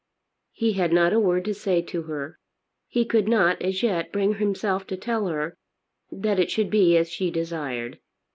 He had not a word to say to her. He could not as yet bring himself to tell her, that it should be as she desired.